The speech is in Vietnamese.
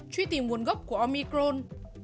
truy tìm nguồn gốc của omicron